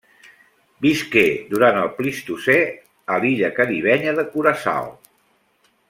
Visqué durant el Plistocè a l'illa caribenya de Curaçao.